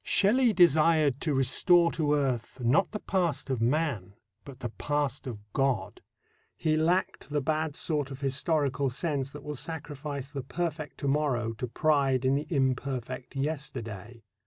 Shelley desired to restore to earth not the past of man but the past of God. He lacked the bad sort of historical sense that will sacrifice the perfect to morrow to pride in the imperfect yesterday.